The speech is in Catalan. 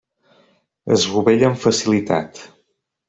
Es rovella amb facilitat.